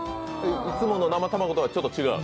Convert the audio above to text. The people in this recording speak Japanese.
いつもの生卵とはちょっと違う？